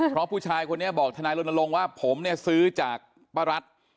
เพราะผู้ชายคนนี้บอกทนายรณรงค์ว่าผมเนี่ยซื้อจากป้ารัฐ